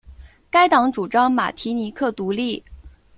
该党主张马提尼克独立。